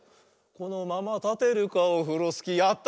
「このままたてるかオフロスキー」やった！